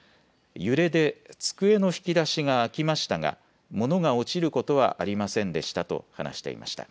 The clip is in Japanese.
揺れで机の引き出しが開きましたが物が落ちることはありませんでしたと話していました。